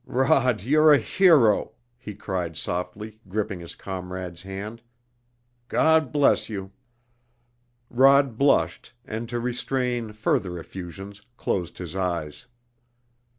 "Rod, you're a hero!" he cried softly, gripping his comrade's hand. "God bless you!" Rod blushed, and to restrain further effusions closed his eyes.